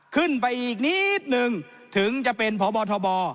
ขึ้นไปอีกนิดนึงถึงจะเป็นพบทบ